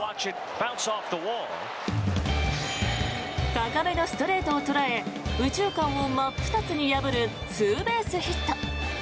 高めのストレートを捉え右中間を真っ二つに破るツーベースヒット。